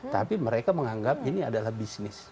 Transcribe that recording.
tapi mereka menganggap ini adalah bisnis